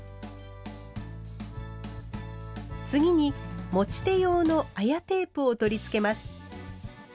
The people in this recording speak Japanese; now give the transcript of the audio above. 次に持ち手用の綾テープを取り付けます。